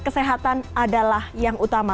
kesehatan adalah yang utama